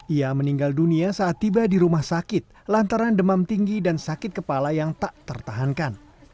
ia meninggal dunia saat tiba di rumah sakit lantaran demam tinggi dan sakit kepala yang tak tertahankan